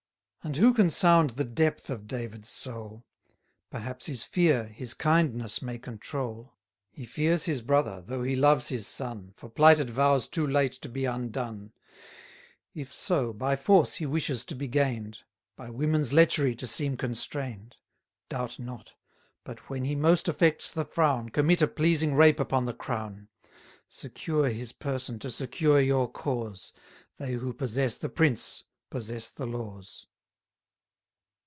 And who can sound the depth of David's soul? Perhaps his fear, his kindness may control. He fears his brother, though he loves his son, For plighted vows too late to be undone. 470 If so, by force he wishes to be gain'd: By women's lechery to seem constrain'd. Doubt not; but, when he most affects the frown, Commit a pleasing rape upon the crown. Secure his person to secure your cause: They who possess the prince possess the laws.